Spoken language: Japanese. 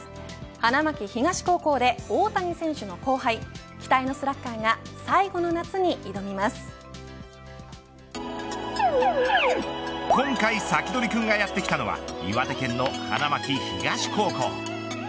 花巻東高校で大谷選手の後輩期待のスラッガーが今回サキドリくんがやってきたのは岩手県の花巻東高校。